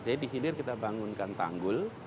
jadi di hilir kita bangunkan tanggul